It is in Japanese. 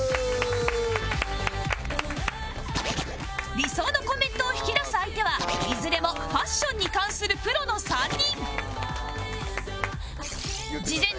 理想のコメントを引き出す相手はいずれもファッションに関するプロの３人